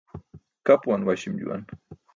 Kapuwan waśi̇m juwan.